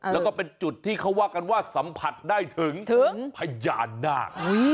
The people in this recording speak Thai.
แล้วก็เป็นจุดที่เขาว่ากันว่าสัมผัสได้ถึงพญานาค